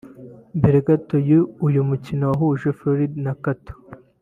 Mbere gato y’uyu mukino wahuje Floyd na Cotto